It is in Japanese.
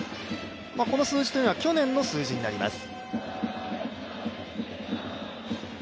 この数字というのは去年の数字というようになります。